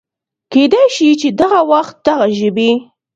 کېدی شي چې دغه وخت دغه ژبې